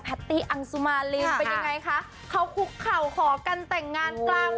ตี้อังสุมารินเป็นยังไงคะเขาคุกเข่าขอกันแต่งงานกลาง